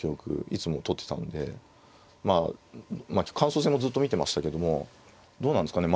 いつもとってたのでまあ感想戦もずっと見てましたけどもどうなんですかね。